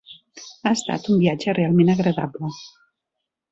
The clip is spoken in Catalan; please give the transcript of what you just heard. Ha estat un viatge realment agradable.